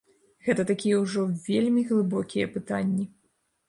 Гэта такія ўжо вельмі глыбокія пытанні.